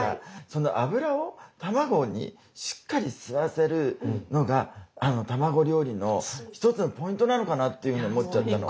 その油を卵にしっかり吸わせるのがあの卵料理の一つのポイントなのかなっていうふうに思っちゃったの。